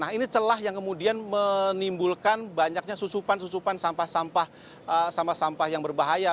nah ini celah yang kemudian menimbulkan banyaknya susupan susupan sampah sampah yang berbahaya